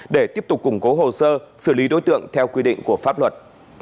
để tiếp tục củng cố hồ sơ xử lý đối tượng theo quy định của pháp luật